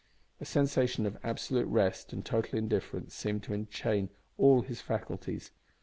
A sensation of absolute rest and total indifference seemed to enchain all his faculties.